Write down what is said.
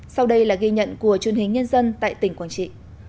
sau đây là ghi nhận của truyền hình nhân dân tại tỉnh quảng trị